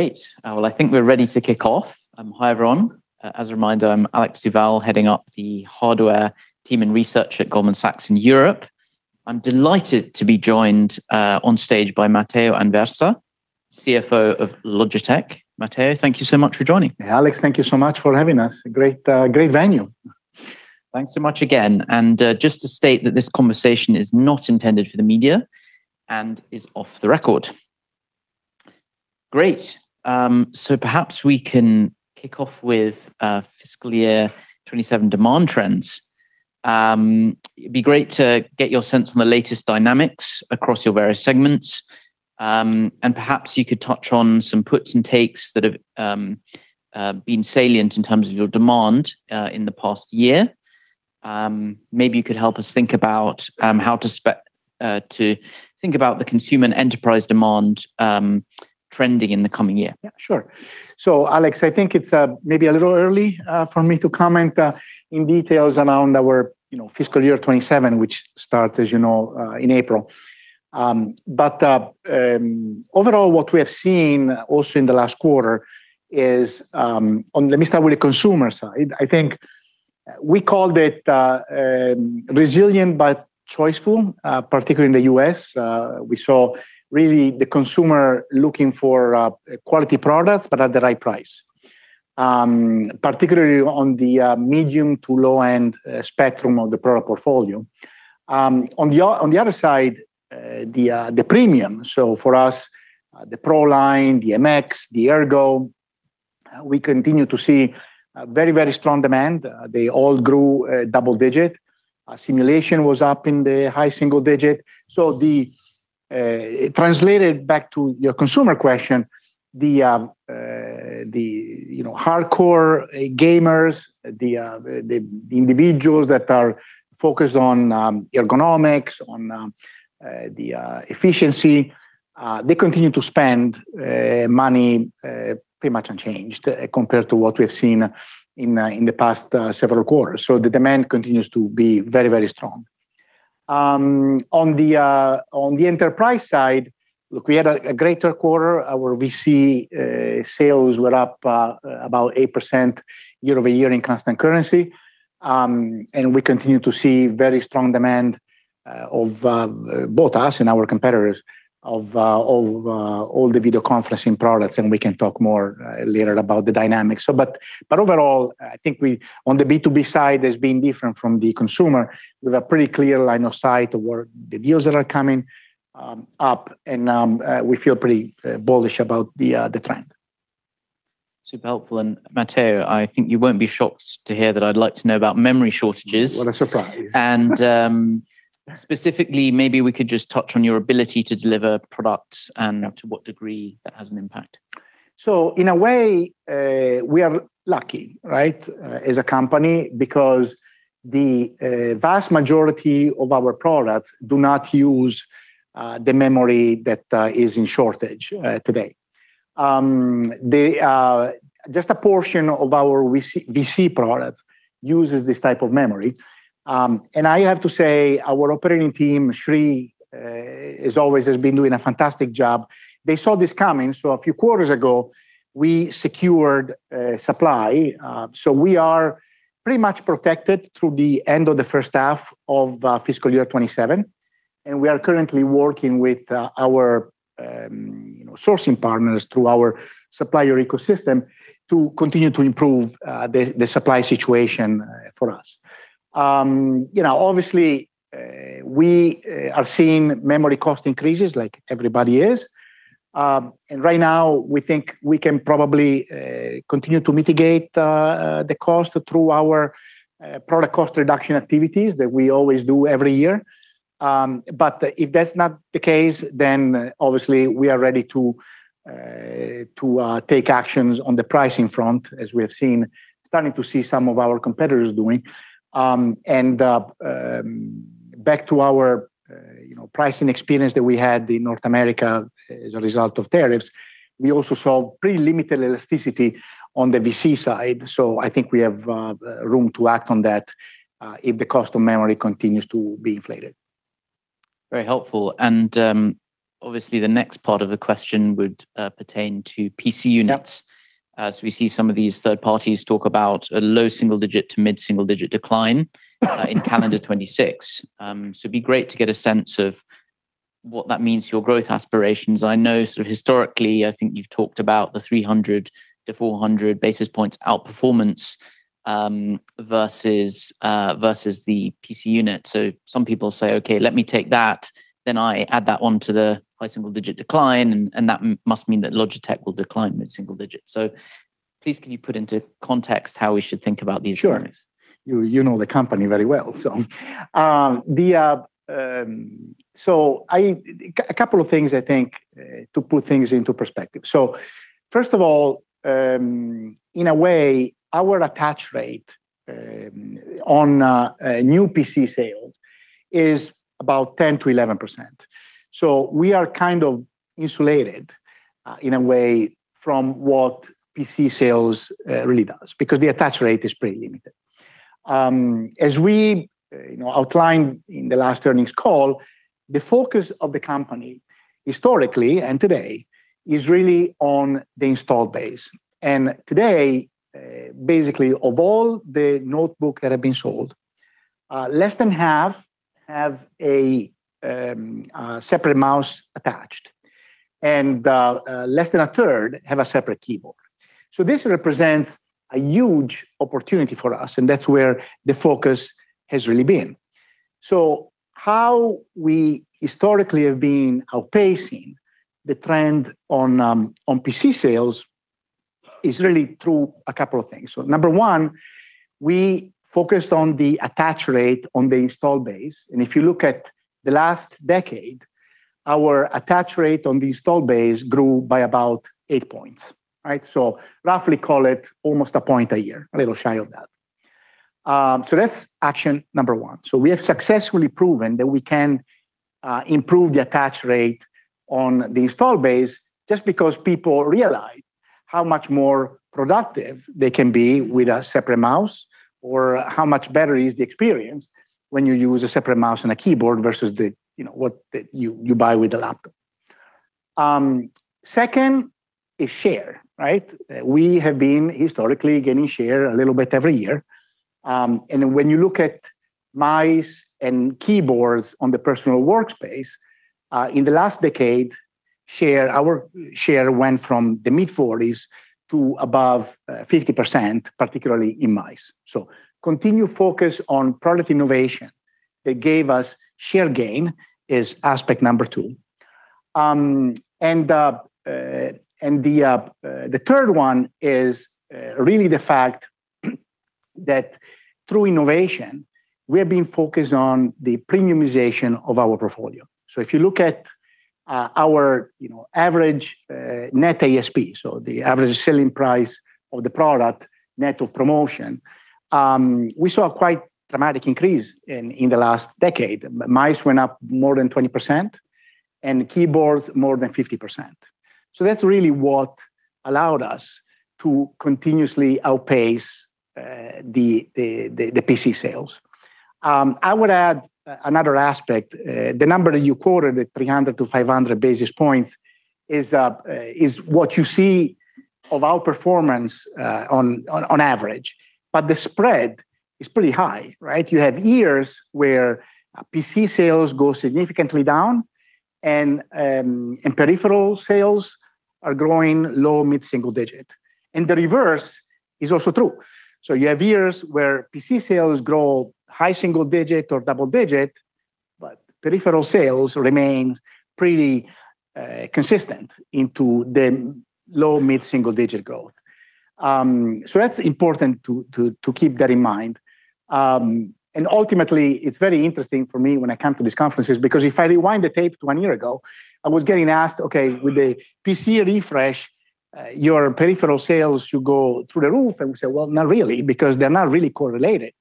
Great! Well, I think we're ready to kick off. Hi, everyone. As a reminder, I'm Alexander Duval, heading up the hardware team and research at Goldman Sachs in Europe. I'm delighted to be joined, on stage by Matteo Anversa, CFO of Logitech. Matteo, thank you so much for joining. Alex, thank you so much for having us. Great, great venue. Thanks so much again. Just to state that this conversation is not intended for the media and is off the record. Great. Perhaps we can kick off with fiscal year 2027 demand trends. It'd be great to get your sense on the latest dynamics across your various segments. Perhaps you could touch on some puts and takes that have been salient in terms of your demand in the past year. Maybe you could help us think about how to think about the consumer and enterprise demand trending in the coming year. Yeah, sure. Alex, I think it's maybe a little early for me to comment in details around our, you know, fiscal year 2027, which starts, as you know, in April. Overall, what we have seen also in the last quarter is let me start with the consumer side. I think we called it resilient but choiceful, particularly in the U.S. We saw really the consumer looking for quality products, but at the right price. Particularly on the medium to low-end spectrum of the product portfolio. On the other side, the premium, so for us, the Pro line, the MX, the Ergo, we continue to see a very, very strong demand. They all grew double digit. Simulation was up in the high single digit. The—it translated back to your consumer question, the, you know, hardcore gamers, the individuals that are focused on ergonomics, on efficiency, they continue to spend money pretty much unchanged compared to what we have seen in the past several quarters. The demand continues to be very, very strong. On the enterprise side, look, we had a greater quarter, our VC sales were up about 8% year-over-year in constant currency. We continue to see very strong demand of both us and our competitors, of all the video conferencing products, and we can talk more later about the dynamics. Overall, I think we, on the B2B side, has been different from the consumer, with a pretty clear line of sight toward the deals that are coming up, and we feel pretty bullish about the trend. Super helpful. Matteo, I think you won't be shocked to hear that I'd like to know about memory shortages. What a surprise! Specifically, maybe we could just touch on your ability to deliver products and to what degree that has an impact. In a way, we are lucky, right, as a company, because the vast majority of our products do not use the memory that is in shortage today. The just a portion of our VC product uses this type of memory. I have to say, our operating team, Sri, as always, has been doing a fantastic job. They saw this coming, so a few quarters ago, we secured supply, so we are pretty much protected through the end of the first half of fiscal year 2027, and we are currently working with our sourcing partners through our supplier ecosystem to continue to improve the supply situation for us. You know, obviously, we are seeing memory cost increases like everybody is. Right now, we think we can probably continue to mitigate the cost through our product cost reduction activities that we always do every year. If that's not the case, then obviously we are ready to take actions on the pricing front, as we have seen starting to see some of our competitors doing. Back to our pricing experience that we had in North America as a result of tariffs, we also saw pretty limited elasticity on the VC side, so I think we have room to act on that if the cost of memory continues to be inflated. Very helpful. Obviously, the next part of the question would pertain to PC units as we see some of these third parties talk about a low single-digit to mid-single-digit decline, in calendar 2026. It'd be great to get a sense of what that means to your growth aspirations. I know sort of historically, I think you've talked about the 300–400 basis points outperformance, versus the PC unit. Some people say, "Okay, let me take that, then I add that on to the high single-digit decline, and that must mean that Logitech will decline mid-single-digit." Please, can you put into context how we should think about these units? Sure. You, you know the company very well. A couple of things, I think, to put things into perspective. First of all, in a way, our attach rate on a new PC sale is about 10%-11%. We are kind of insulated, in a way, from what PC sales really does, because the attach rate is pretty limited. As we, you know, outlined in the last earnings call, the focus of the company, historically and today, is really on the installed base. Today, basically, of all the notebook that have been sold, less than half have a separate mouse attached, and less than a third have a separate keyboard. This represents a huge opportunity for us, and that's where the focus has really been. How we historically have been outpacing the trend on PC sales is really through a couple of things. Number one, we focused on the attach rate on the installed base, and if you look at the last decade, our attach rate on the installed base grew by about eight points, right. Roughly call it almost a point a year, a little shy of that. That's action number one. We have successfully proven that we can improve the attach rate on the installed base just because people realize how much more productive they can be with a separate mouse. Or how much better is the experience when you use a separate mouse and a keyboard versus the, you know, what you buy with a laptop. Second is share, right. We have been historically gaining share a little bit every year. When you look at mice and keyboards on the personal workspace, in the last decade, our share went from the mid-40s to above 50%, particularly in mice. Continued focus on product innovation that gave us share gain is aspect number two. The third one is really the fact that through innovation, we have been focused on the premiumization of our portfolio. If you look at our, you know, average net ASP, the average selling price of the product, net of promotion, we saw a quite dramatic increase in the last decade. Mice went up more than 20%, and keyboards more than 50%. That's really what allowed us to continuously outpace the PC sales. I would add another aspect. The number that you quoted, the 300–500 basis points, is what you see of our performance on average, but the spread is pretty high, right? You have years where PC sales go significantly down, and peripheral sales are growing low, mid-single digit. The reverse is also true. You have years where PC sales grow high single digit or double digit, but peripheral sales remains pretty consistent into the low, mid-single digit growth, so that's important to keep that in mind. Ultimately, it's very interesting for me when I come to these conferences, because if I rewind the tape to one year ago, I was getting asked, "Okay, with the PC refresh, your peripheral sales should go through the roof?" We say, "Well, not really, because they're not really correlated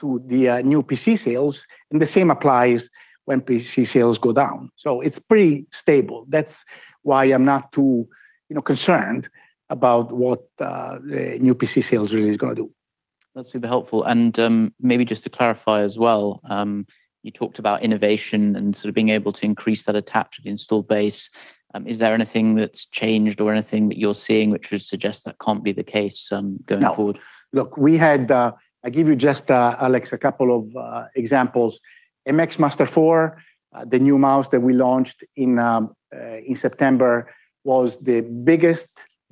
to the new PC sales, and the same applies when PC sales go down." It's pretty stable. That's why I'm not too, you know, concerned about what the new PC sales really is gonna do. That's super helpful. Maybe just to clarify as well, you talked about innovation and sort of being able to increase that attach of the installed base. Is there anything that's changed or anything that you're seeing which would suggest that can't be the case, going forward? No. Look, we had, I'll give you just, Alex, a couple of examples. MX Master 4, the new mouse that we launched in September, was the biggest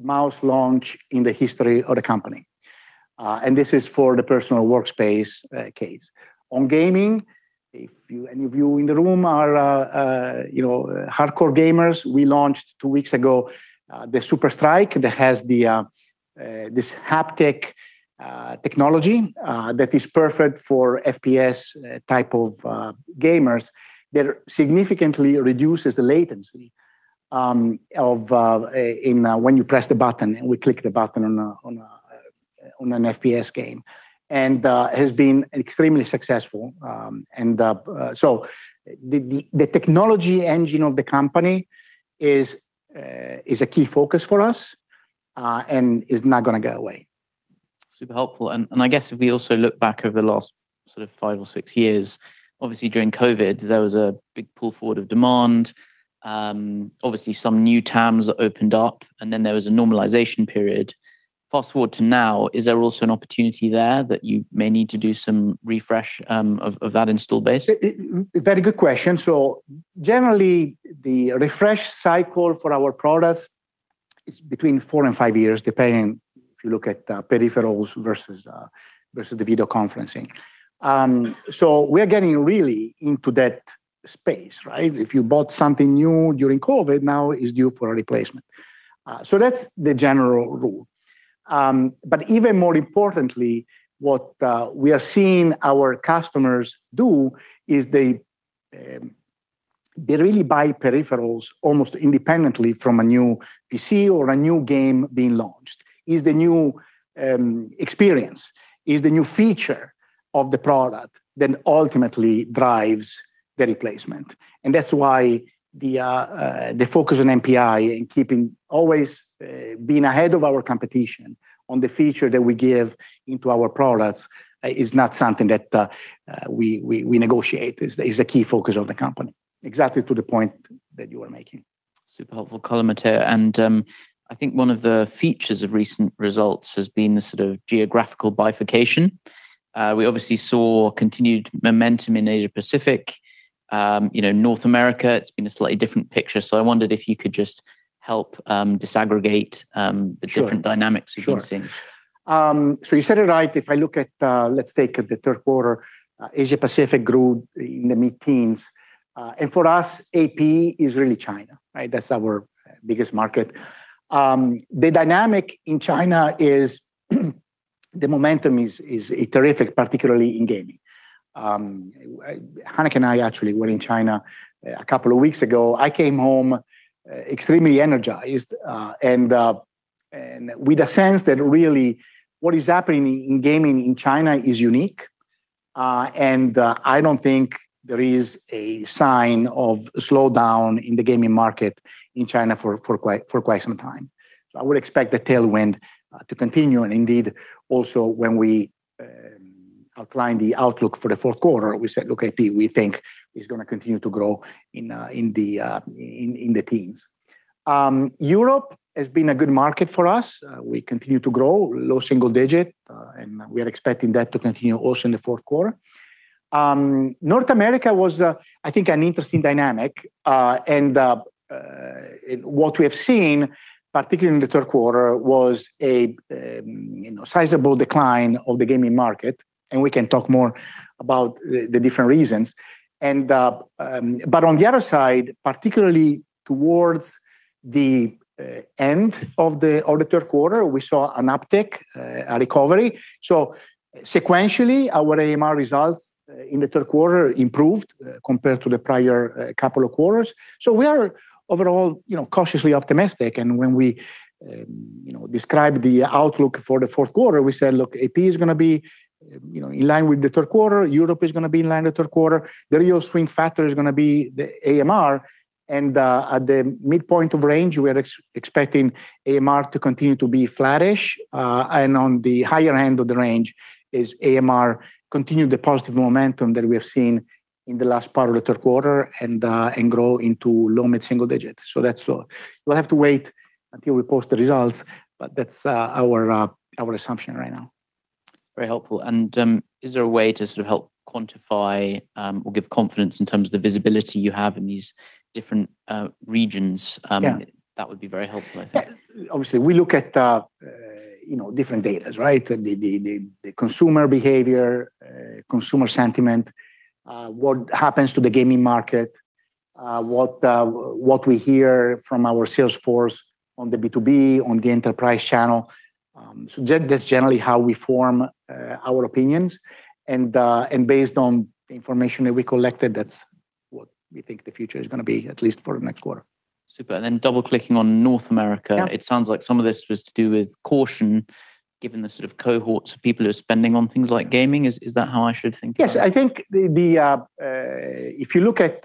mouse launch in the history of the company. This is for the personal workspace case. On gaming, if you, any of you in the room are, you know, hardcore gamers, we launched two weeks ago, the SUPERSTRIKE, that has this haptic technology, that is perfect for FPS type of gamers, that significantly reduces the latency when you press the button, and we click the button on an FPS game, has been extremely successful. The technology engine of the company is a key focus for us and is not gonna go away. Super helpful. I guess if we also look back over the last sort of five or six years, obviously during COVID, there was a big pull forward of demand, obviously some new TAMS opened up, and then there was a normalization period. Fast forward to now, is there also an opportunity there that you may need to do some refresh of that installed base? Very good question. Generally, the refresh cycle for our products is between four and five years, depending if you look at peripherals versus versus the video conferencing. We're getting really into that space, right? If you bought something new during COVID, now it's due for a replacement. That's the general rule. Even more importantly, what we are seeing our customers do is they really buy peripherals almost independently from a new PC or a new game being launched. It's the new experience, it's the new feature of the product that ultimately drives the replacement. That's why the focus on NPI and keeping always being ahead of our competition on the feature that we give into our products is not something that we negotiate. Is a key focus of the company, exactly to the point that you were making. Super helpful, Matteo. I think one of the features of recent results has been the sort of geographical bifurcation. We obviously saw continued momentum in Asia-Pacific. You know, North America, it's been a slightly different picture. I wondered if you could just help disaggregate different dynamics we've been seeing. Sure. You said it right. If I look at, let's take the third quarter, Asia-Pacific grew in the mid-teens. For us, AP is really China, right? That's our biggest market. The dynamic in China is, the momentum is terrific, particularly in gaming. Hanneke and I actually were in China a couple of weeks ago. I came home extremely energized and with a sense that really what is happening in gaming in China is unique. I don't think there is a sign of slowdown in the gaming market in China for quite some time. I would expect the tailwind to continue. Indeed, also when we outlined the outlook for the fourth quarter, we said, "Look, AP, we think, is gonna continue to grow in the teens." Europe has been a good market for us. We continue to grow low single digit, and we are expecting that to continue also in the fourth quarter. North America was, I think, an interesting dynamic. What we have seen, particularly in the third quarter, was a, you know, sizable decline of the gaming market, and we can talk more about the different reasons. On the other side, particularly towards the end of the third quarter, we saw an uptick, a recovery. Sequentially, our AMR results in the third quarter improved compared to the prior couple of quarters. We are overall, you know, cautiously optimistic. When we, you know, describe the outlook for the fourth quarter, we said, "Look, AP is gonna be, you know, in line with the third quarter. Europe is gonna be in line with the third quarter. The real swing factor is gonna be the AMR." At the midpoint of range, we are expecting AMR to continue to be flattish. On the higher end of the range is AMR continue the positive momentum that we have seen in the last part of the third quarter and grow into low mid-single digit. That's all. We'll have to wait until we post the results, but that's our assumption right now. Very helpful. Is there a way to sort of help quantify or give confidence in terms of the visibility you have in these different regions? Yeah. That would be very helpful, I think. Yeah. Obviously, we look at, you know, different data, right? The consumer behavior, consumer sentiment, what happens to the gaming market, what we hear from our sales force on the B2B, on the enterprise channel. That's generally how we form our opinions. Based on the information that we collected, that's what we think the future is going to be, at least for the next quarter. Super. Then double-clicking on North America, it sounds like some of this was to do with caution, given the sort of cohorts of people who are spending on things like gaming. Is that how I should think about? I think the—if you look at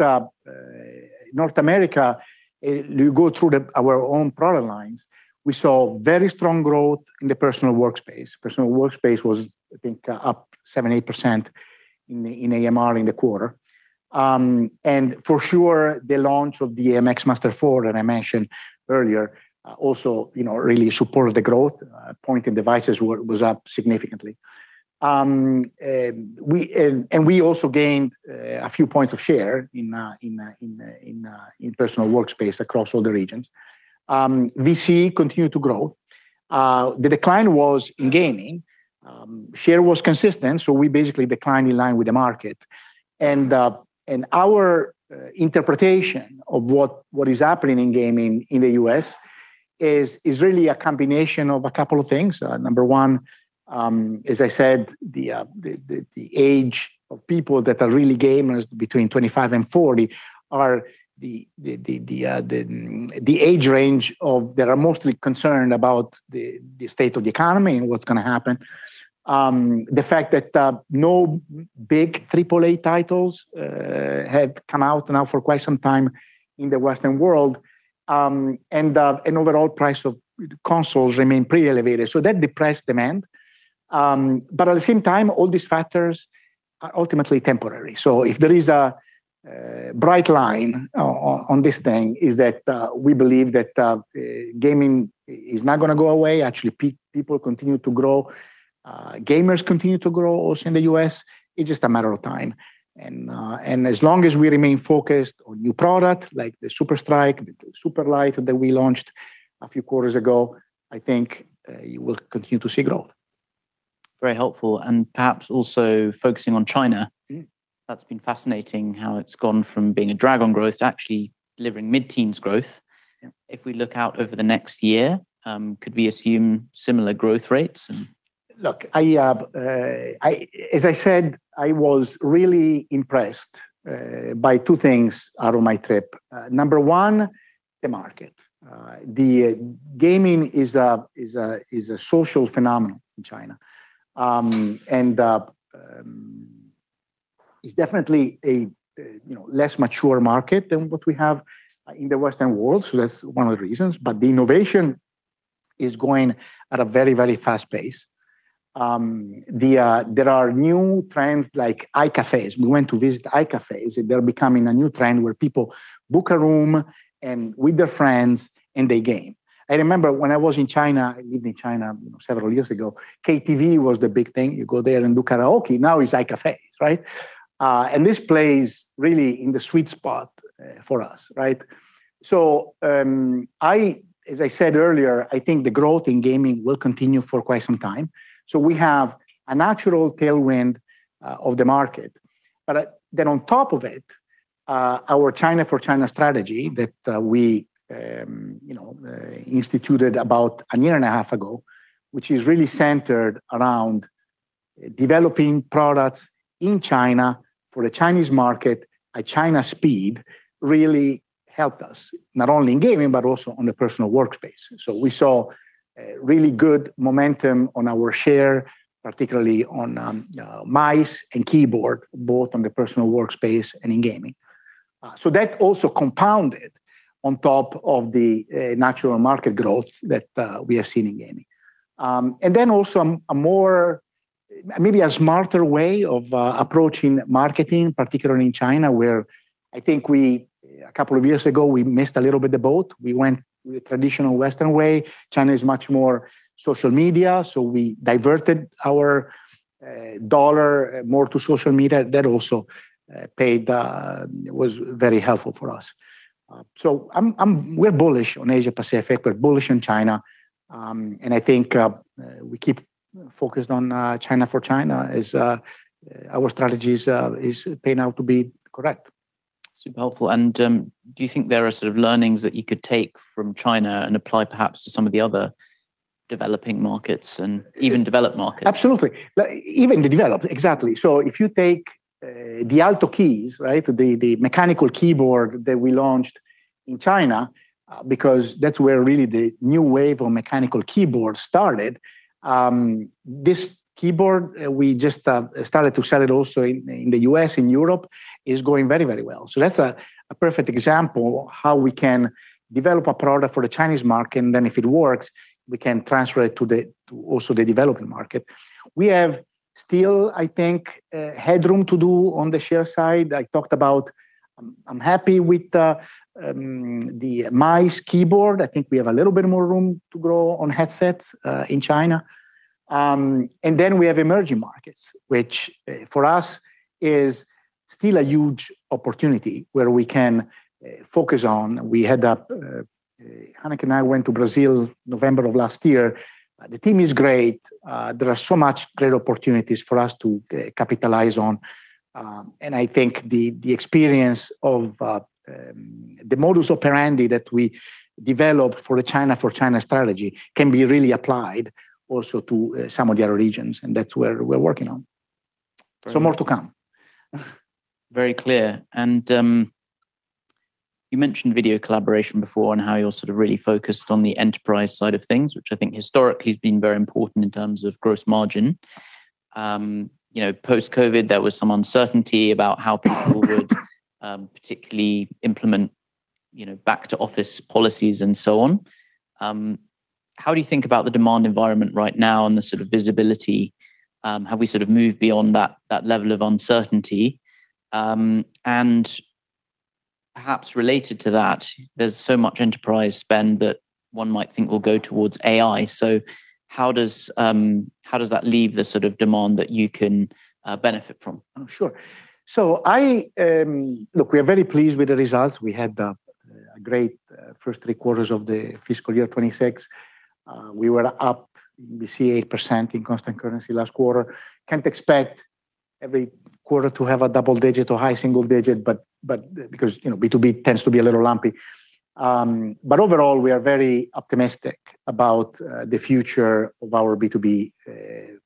North America, you go through our own product lines, we saw very strong growth in the personal workspace. Personal workspace was, I think, up 7%-8% in AMR in the quarter. And for sure, the launch of the MX Master 4 that I mentioned earlier, also, you know, really supported the growth. Pointing devices was up significantly. We and we also gained a few points of share in personal workspace across all the regions. VC continued to grow. The decline was in gaming. Share was consistent, so we basically declined in line with the market. Our interpretation of what is happening in gaming in the U.S. is really a combination of two things. Number one, as I said, the age of people that are really gamers between 25 and 40 that are mostly concerned about the state of the economy and what's going to happen. The fact that no big Triple-A titles have come out now for quite some time in the Western world, and overall price of consoles remain pretty elevated, so that depressed demand. At the same time, all these factors are ultimately temporary. If there is a bright line on this thing, is that we believe that gaming is not gonna go away. Actually, people continue to grow, gamers continue to grow also in the U.S. It's just a matter of time. As long as we remain focused on new product, like the SUPERSTRIKE, the SUPERLIGHT that we launched a few quarters ago, I think, you will continue to see growth. Very helpful, and perhaps also focusing on China. That's been fascinating how it's gone from being a drag on growth to actually delivering mid-teens growth. If we look out over the next year, could we assume similar growth rates? Look, I as I said, I was really impressed by two things out of my trip. Number one, the market. The gaming is a social phenomenon in China. It's definitely a, you know, less mature market than what we have in the Western world, so that's one of the reasons. The innovation is going at a very, very fast pace. There are new trends like iCafes. We went to visit iCafes, and they're becoming a new trend where people book a room and with their friends, and they game. I remember when I was in China, I lived in China, you know, several years ago, KTV was the big thing. You go there and do karaoke. Now it's iCafes, right? This plays really in the sweet spot for us, right? As I said earlier, I think the growth in gaming will continue for quite some time. We have a natural tailwind of the market. On top of it, our China for China strategy that we, you know, instituted about a year and a half ago, which is really centered around developing products in China for the Chinese market at China speed really helped us, not only in gaming, but also on the personal workspace. We saw really good momentum on our share, particularly on mice and keyboard, both on the personal workspace and in gaming. That also compounded on top of the natural market growth that we have seen in gaming. A more—maybe a smarter way of approaching marketing, particularly in China, where I think we, a couple of years ago, we missed a little bit the boat. We went the traditional Western way. China is much more social media, so we diverted our dollar more to social media. That also paid, was very helpful for us. We're bullish on Asia Pacific. We're bullish on China. I think, we keep focused on China for China is—our strategy is paying out to be correct. Super helpful. Do you think there are sort of learnings that you could take from China and apply perhaps to some of the other developing markets and even developed markets? Absolutely. Even the developed, exactly. If you take the Alto Keys, right, the mechanical keyboard that we launched in China, because that's where really the new wave of mechanical keyboards started. This keyboard, we just started to sell it also in the U.S. and Europe, is going very, very well. That's a perfect example of how we can develop a product for the Chinese market, and then if it works, we can transfer it to also the developing market. We have still, I think, headroom to do on the share side. I talked about, I'm happy with the mice, keyboard. I think we have a little bit more room to grow on headsets in China. We have emerging markets, which for us, is still a huge opportunity where we can focus on. We had that, Hanneke and I went to Brazil, November of last year. The team is great. There are so much great opportunities for us to capitalize on. I think the experience of the modus operandi that we developed for the China for China strategy can be really applied also to some of the other regions, and that's where we're working on. More to come. Very clear. You mentioned video collaboration before and how you're sort of really focused on the enterprise side of things, which I think historically has been very important in terms of gross margin. You know, post-COVID, there was some uncertainty about how people would particularly implement, you know, back to office policies and so on. How do you think about the demand environment right now and the sort of visibility, have we sort of moved beyond that level of uncertainty? Perhaps related to that, there's so much enterprise spend that one might think will go towards AI. How does that leave the sort of demand that you can benefit from? Sure. Look, we are very pleased with the results. We had a great first three quarters of the fiscal year 2026. We were up BC 8% in constant currency last quarter. Can't expect every quarter to have a double digit or high single digit, but because, you know, B2B tends to be a little lumpy. Overall, we are very optimistic about the future of our B2B,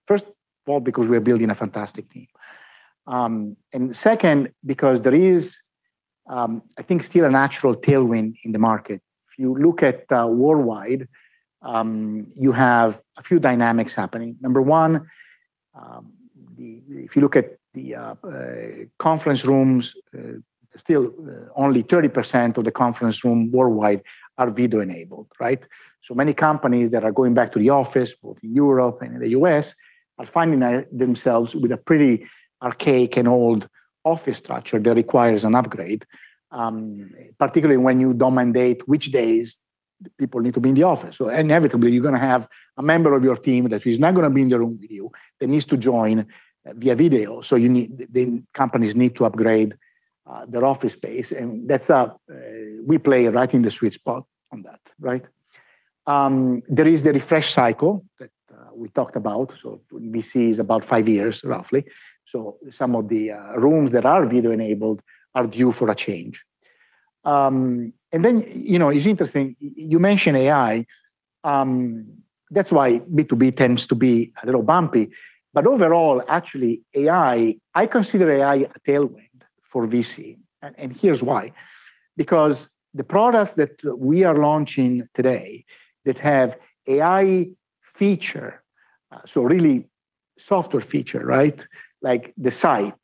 first of all, because we are building a fantastic team. Second, because there is, I think, still a natural tailwind in the market. If you look at worldwide, you have a few dynamics happening. Number one, if you look at the conference rooms, still, only 30% of the conference room worldwide are video-enabled, right? Many companies that are going back to the office, both in Europe and in the U.S., are finding themselves with a pretty archaic and old office structure that requires an upgrade, particularly when you don't mandate which days people need to be in the office. Inevitably, you're going to have a member of your team that is not going to be in the room with you, that needs to join via video. The companies need to upgrade their office space, and that's—we play right in the sweet spot on that, right? There is the refresh cycle that we talked about. B2B is about five years, roughly. Some of the rooms that are video-enabled are due for a change. And then, you know, it's interesting, you mention AI. That's why B2B tends to be a little bumpy. Overall, actually, AI, I consider AI a tailwind for VC, and here's why: The products that we are launching today that have AI feature, so really software feature, right? Like the Sight,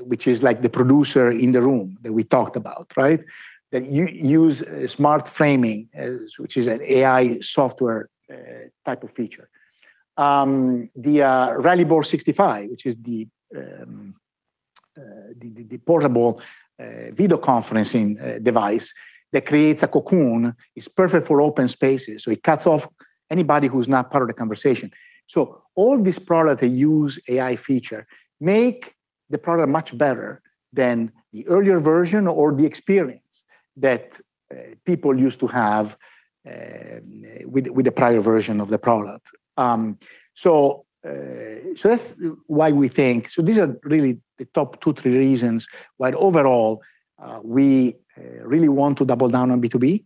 which is like the producer in the room that we talked about, right? That you use smart framing, which is an AI software type of feature. The Rally Board 65, which is the portable video conferencing device that creates a cocoon, is perfect for open spaces. It cuts off anybody who's not part of the conversation. All these product that use AI feature make the product much better than the earlier version or the experience that people used to have with the prior version of the product. That's why we think these are really the top two, three reasons why overall, we really want to double down on B2B.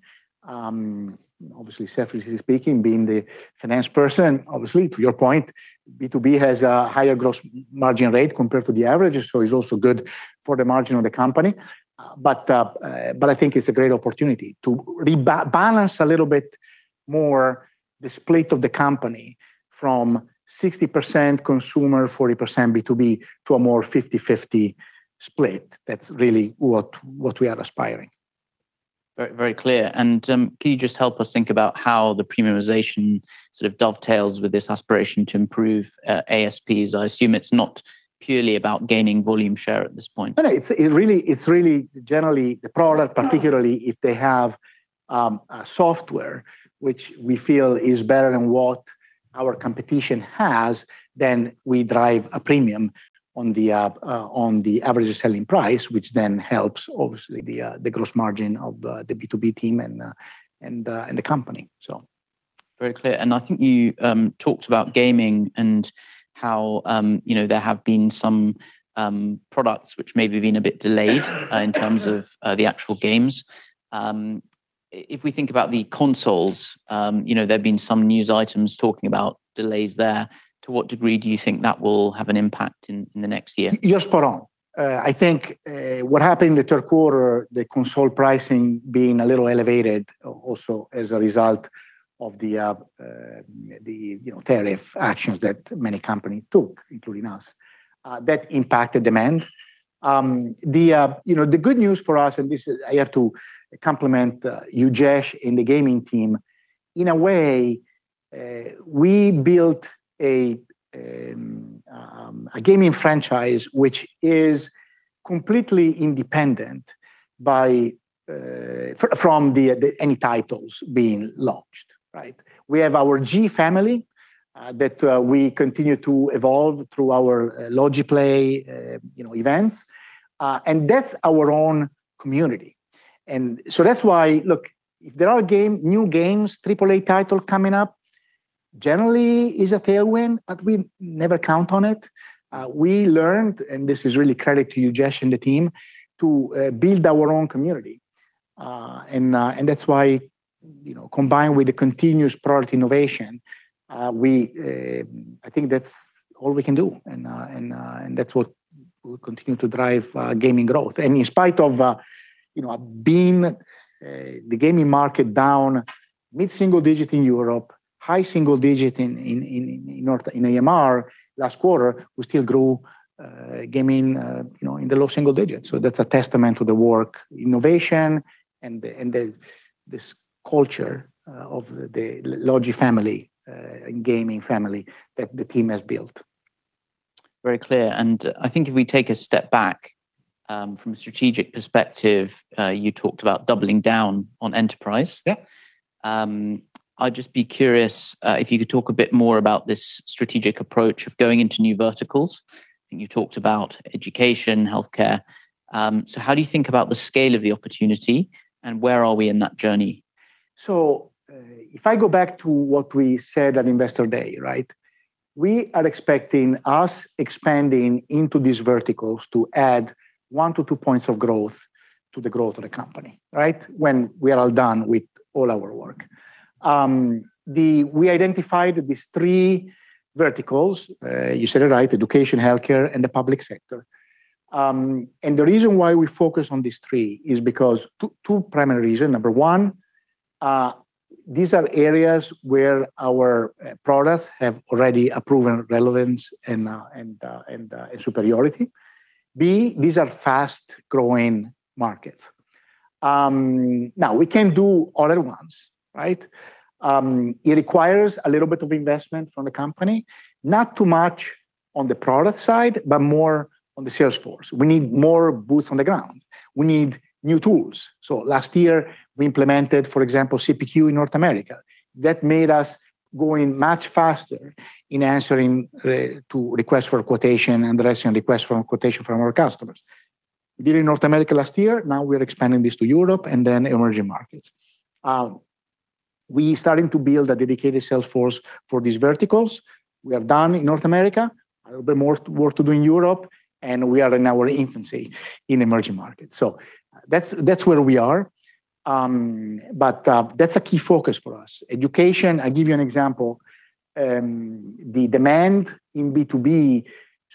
Obviously, selfishly speaking, being the finance person, obviously, to your point, B2B has a higher gross margin rate compared to the average, so it's also good for the margin of the company. I think it's a great opportunity to rebalance a little bit more the split of the company from 60% consumer, 40% B2B to a more 50/50 split. That's really what we are aspiring. Very, very clear. Can you just help us think about how the premiumization sort of dovetails with this aspiration to improve, ASPs? I assume it's not purely about gaining volume share at this point. It's really generally the product, particularly if they have a software which we feel is better than what our competition has, we drive a premium on the average selling price, which helps obviously, the gross margin of the B2B team and the company. Very clear. I think you, talked about gaming and how, you know, there have been some products which may have been a bit delayed in terms of the actual games. If we think about the consoles, you know, there have been some news items talking about delays there. To what degree do you think that will have an impact in the next year? You're spot on. I think what happened in the third quarter, the console pricing being a little elevated also as a result of the, you know, tariff actions that many company took, including us, that impacted demand. The, you know, the good news for us, and this is, I have to compliment Ujesh, and the gaming team. In a way, we built a gaming franchise, which is completely independent from the any titles being launched, right? We have our G family that we continue to evolve through our Logi PLAY, you know, events, and that's our own community. That's why—look, if there are game, new games, Triple-A title coming up, generally is a tailwind, but we never count on it. We learned, and this is really credit to Ujesh and the team, to build our own community. That's why, you know, combined with the continuous product innovation, we I think that's all we can do, and that's what will continue to drive gaming growth. In spite of, you know, being the gaming market down, mid-single digit in Europe, high single digit in AMR last quarter, we still grew gaming, you know, in the low single digits. That's a testament to the work, innovation, and this culture of the Logi family and gaming family that the team has built. Very clear. I think if we take a step back, from a strategic perspective, you talked about doubling down on enterprise. I'd just be curious, if you could talk a bit more about this strategic approach of going into new verticals. I think you talked about education, healthcare. How do you think about the scale of the opportunity, and where are we in that journey? If I go back to what we said on Investor Day, right? We are expecting us expanding into these verticals to add one to two points of growth to the growth of the company, right? When we are all done with all our work. We identified these three verticals, you said it right, education, healthcare, and the public sector. The reason why we focus on these three is because of two primary reasons. Number one, these are areas where our products have already a proven relevance and superiority. B, these are fast-growing markets. Now, we can do other ones, right? It requires a little bit of investment from the company, not too much on the product side, but more on the sales force. We need more boots on the ground. We need new tools. Last year, we implemented, for example, CPQ in North America. That made us going much faster in answering to requests for quotation and addressing requests from quotation from our customers. We did in North America last year, now we're expanding this to Europe and emerging markets. We're starting to build a dedicated sales force for these verticals. We are done in North America, a little bit more work to do in Europe, and we are in our infancy in emerging markets. That's where we are. That's a key focus for us. Education, I'll give you an example. The demand in B2B,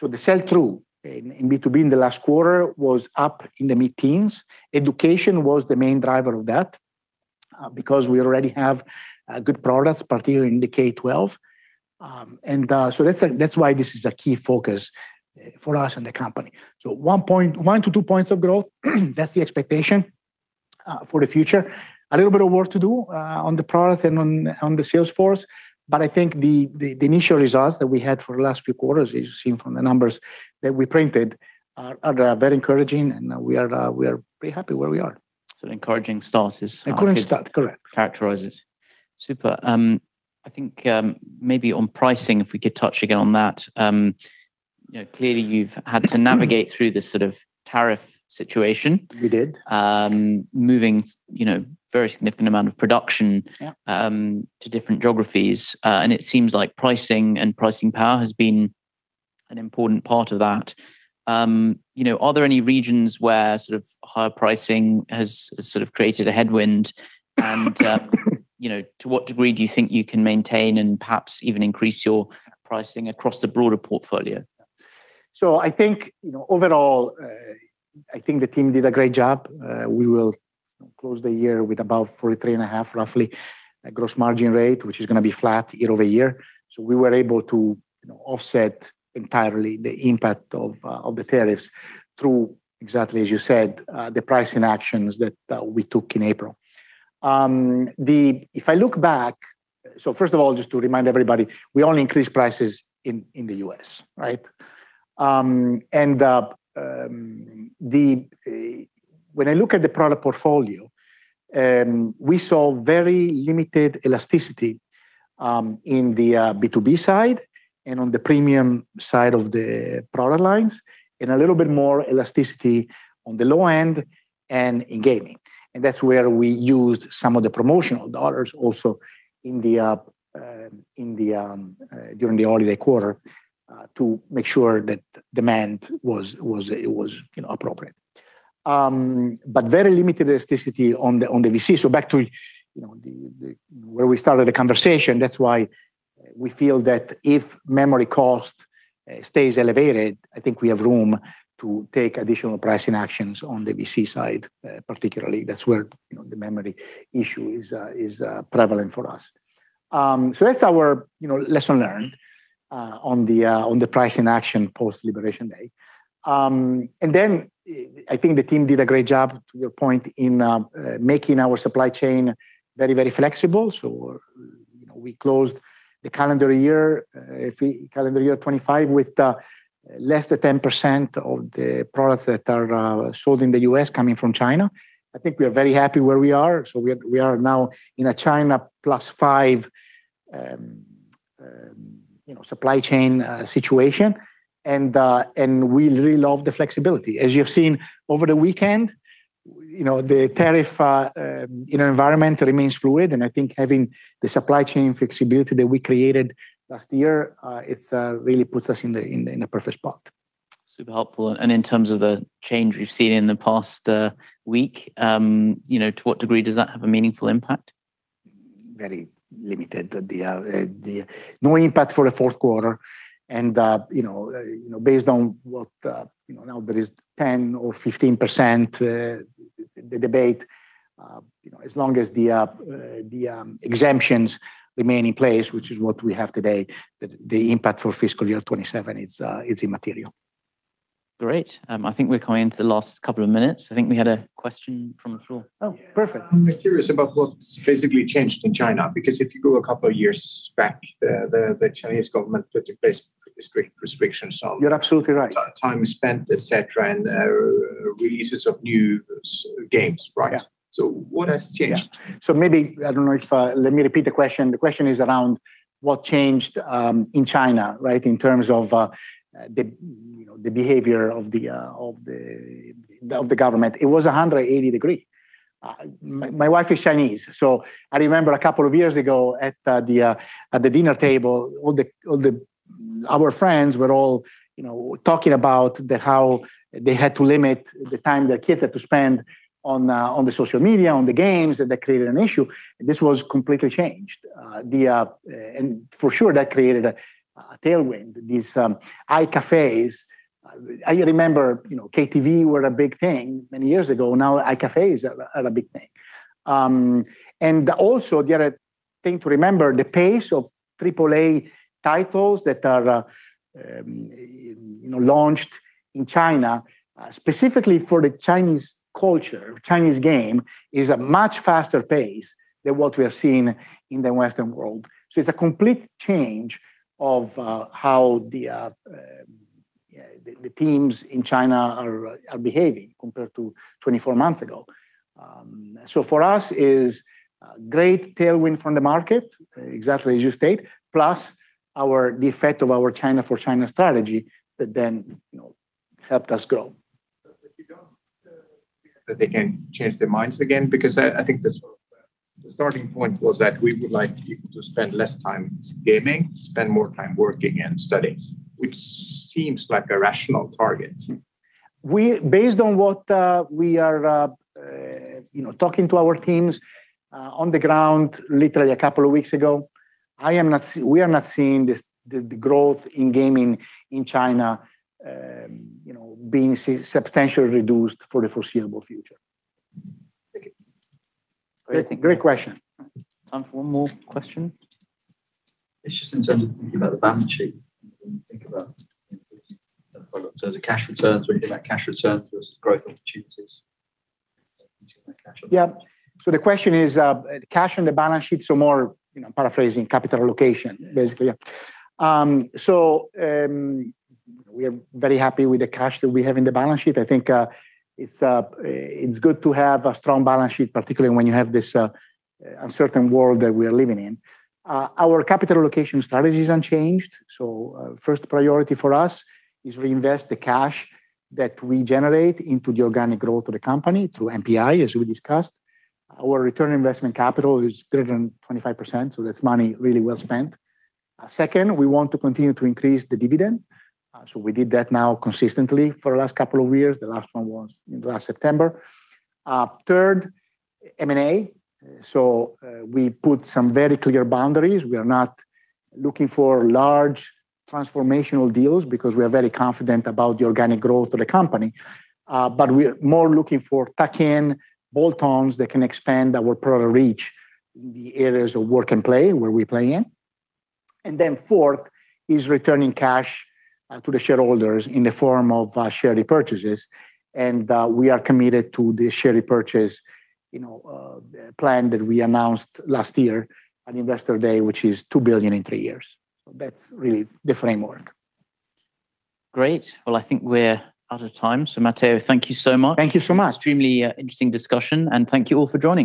the sell-through in B2B in the last quarter was up in the mid-teens. Education was the main driver of that because we already have good products, particularly in the K-12. That's, that's why this is a key focus for us and the company. One to two points of growth, that's the expectation for the future. A little bit of work to do on the product and on the sales force, but I think the initial results that we had for the last few quarters, as you've seen from the numbers that we printed are very encouraging and we are pretty happy where we are. Encouraging start. Encouraging start, correct. Characterizes. Super. I think, maybe on pricing, if we could touch again on that. You know, clearly you've had to navigate through this sort of tariff situation. We did. Moving, you know, very significant amount of production to different geographies, and it seems like pricing and pricing power has been an important part of that. You know, are there any regions where sort of higher pricing has sort of created a headwind? You know, to what degree do you think you can maintain and perhaps even increase your pricing across the broader portfolio? I think, you know, overall, I think the team did a great job. We will close the year with about 43.5% gross margin rate, which is gonna be flat year-over-year. We were able to, you know, offset entirely the impact of the tariffs through, exactly as you said, the pricing actions that we took in April. If I look back—first of all, just to remind everybody, we only increased prices in the U.S., right? And when I look at the product portfolio, we saw very limited elasticity in the B2B side and on the premium side of the product lines, and a little bit more elasticity on the low end and in gaming. That's where we used some of the promotional dollars also during the holiday quarter to make sure that demand it was, you know, appropriate. Very limited elasticity on the VC. Back to, you know, the where we started the conversation, that's why we feel that if memory cost stays elevated, I think we have room to take additional pricing actions on the VC side, particularly. That's where, you know, the memory issue is prevalent for us. That's our, you know, lesson learned on the pricing action post-Liberation Day. I think the team did a great job, to your point, in making our supply chain very, very flexible. You know, we closed the calendar year, calendar year 2025 with less than 10% of the products that are sold in the U.S. coming from China. I think we are very happy where we are. We are now in a China plus five, you know, supply chain situation, and we really love the flexibility. As you have seen over the weekend, you know, the tariff, you know, environment remains fluid, I think having the supply chain flexibility that we created last year, it really puts us in a perfect spot. Super helpful. In terms of the change we've seen in the past week, you know, to what degree does that have a meaningful impact? Very limited. No impact for the fourth quarter. You know, you know, based on what, you know, now there is 10% or 15%, the debate, you know, as long as the exemptions remain in place, which is what we have today, the impact for fiscal year 2027 is immaterial. Great. I think we're coming to the last couple of minutes. I think we had a question from the floor. Perfect. I'm just curious about what's basically changed in China, because if you go a couple of years back, the Chinese government put in place pretty strict restrictions. You're absolutely right. Time spent, et cetera, releases of new games, right? Yeah. What has changed? Yeah. Maybe, I don't know if. Let me repeat the question. The question is around what changed in China, right, in terms of the, you know, the behavior of the government. It was 180 degree. My wife is Chinese. I remember a couple of years ago at the dinner table, all our friends were all, you know, talking about the how they had to limit the time their kids had to spend on the social media, on the games, that they created an issue, and this was completely changed. The—for sure, that created a tailwind, these iCafes. I remember, you know, KTV were a big thing many years ago. Now, iCafes are a big thing. Also, the other thing to remember, the pace of Triple-A titles that are, you know, launched in China, specifically for the Chinese culture, Chinese game, is a much faster pace than what we are seeing in the Western world. It's a complete change of how the teams in China are behaving compared to 24 months ago. For us, is a great tailwind from the market, exactly as you state, plus our the effect of our China for China strategy that then, you know, helped us grow. If you don't, that they can change their minds again, because I think the starting point was that we would like people to spend less time gaming, spend more time working and studying, which seems like a rational target. Based on what we are, you know, talking to our teams, on the ground literally a couple of weeks ago, we are not seeing the growth in gaming in China, you know, being substantially reduced for the foreseeable future. Thank you. Great, great question. Time for one more question. It's just in terms of thinking about the balance sheet, when you think about, in terms of cash returns, when you think about cash returns versus growth opportunities, think about cash on. Yeah. The question is, cash on the balance sheet, so more, you know, paraphrasing capital allocation, basically. Yeah. We are very happy with the cash that we have in the balance sheet. I think it's good to have a strong balance sheet, particularly when you have this uncertain world that we are living in. Our capital allocation strategy is unchanged. First priority for us is reinvest the cash that we generate into the organic growth of the company, through NPI, as we discussed. Our return on investment capital is greater than 25%, so that's money really well spent. Second, we want to continue to increase the dividend. We did that now consistently for the last couple of years. The last one was in last September. Third, M&A. We put some very clear boundaries. We are not looking for large transformational deals, because we are very confident about the organic growth of the company. We are more looking for tuck-in bolt-ons that can expand our product reach in the areas of work and play, where we play in. Fourth, is returning cash to the shareholders in the form of share repurchases. We are committed to the share repurchase, you know, plan that we announced last year on Investor Day, which is $2 billion in three years. That's really the framework. Great. Well, I think we're out of time. Matteo, thank you so much. Thank you so much. Extremely, interesting discussion, and thank you all for joining.